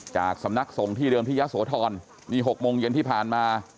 จากสำนักสงฆ์ที่เดิมที่ยะโสธรนี่๖โมงเย็นที่ผ่านมา